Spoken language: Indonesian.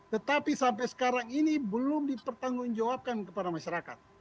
tetapi sampai sekarang ini belum dipertanggungjawabkan kepada masyarakat